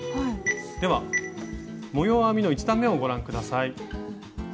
では模様編みの１段めをご覧下さい。